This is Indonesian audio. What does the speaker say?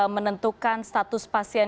menentukan status pasien